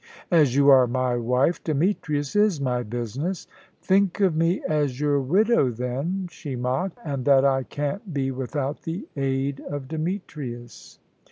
"As you are my wife, Demetrius is my business." "Think of me as your widow then," she mocked, "and that I can't be without the aid of Demetrius."